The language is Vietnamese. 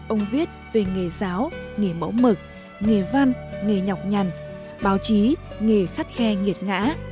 ông viết về nghề giáo nghề mẫu mực nghề văn nghề nhọc nhằn báo chí nghề khắt khe nghiệt ngã